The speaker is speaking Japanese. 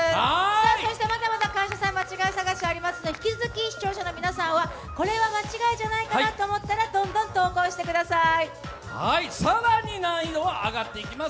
そしてまだまだ「感謝祭」間違い探しありますので、引き続き視聴者の皆さんは、これは間違いじゃないかなと思ったら更に難易度は上がっていきます。